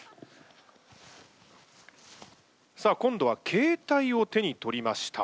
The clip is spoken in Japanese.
さあ今度は携帯を手に取りました。